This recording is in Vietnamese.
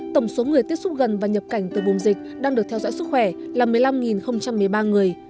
tổng số người tiếp xúc gần và nhập cảnh từ vùng dịch đang được theo dõi sức khỏe là một mươi năm một mươi ba người